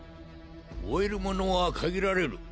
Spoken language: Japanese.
追える者は限られる。